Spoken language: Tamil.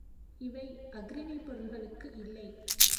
இவை அஃறிணைப் பொருள்களுக்கு இல்லை.